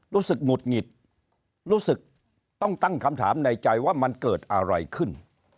หงุดหงิดรู้สึกต้องตั้งคำถามในใจว่ามันเกิดอะไรขึ้น